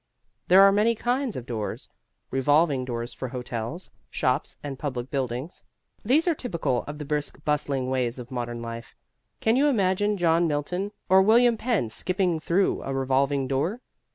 There are many kinds of doors. Revolving doors for hotels, shops and public buildings. These are typical of the brisk, bustling ways of modern life. Can you imagine John Milton or William Penn skipping through a revolving door?